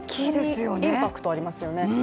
インパクトありますよね。